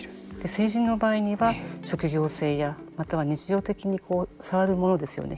成人の場合には職業性やまたは日常的に触るものですよね。